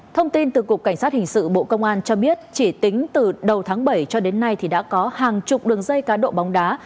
thông tin từ cục cảnh sát hình sự bộ công an cho biết chỉ tính từ đầu tháng bảy cho đến nay đã có hàng chục đường dây cá độ bóng đá